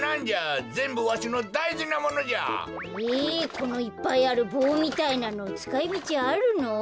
このいっぱいあるぼうみたいなのつかいみちあるの？